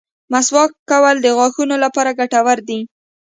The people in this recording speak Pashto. مسواک کول د غاښونو لپاره ګټور دي.